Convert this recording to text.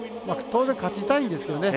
当然、勝ちたいんですけどね。